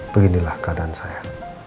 beginilah keadaan saya